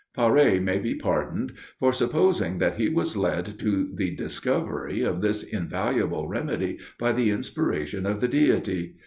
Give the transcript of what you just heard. Parè may be pardoned for supposing that he was led to the discovery of this invaluable remedy by the inspiration of the Deity.